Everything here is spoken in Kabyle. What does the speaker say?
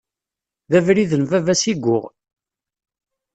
D abrid n baba-s i yuɣ.